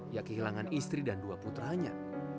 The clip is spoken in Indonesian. ia kehilangan istri dan dua putranya